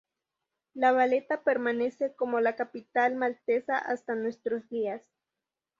La Valeta permanece como la capital maltesa hasta nuestros días.